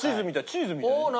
チーズみたいね。